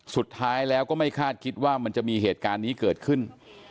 สุดท้ายแล้วก็ไม่คาดคิดว่ามันจะมีเหตุการณ์นี้เกิดขึ้น